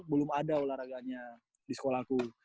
belum ada olahraganya di sekolahku